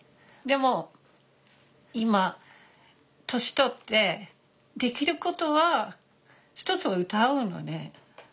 でも今年取ってできることは一つは歌うのね。